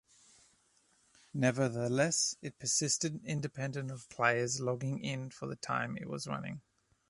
Nevertheless, it persisted independent of players logging in for the time it was running.